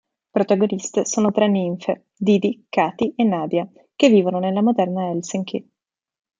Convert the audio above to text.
Protagoniste sono tre ninfe, Didi, Kati e Nadia, che vivono nella moderna Helsinki.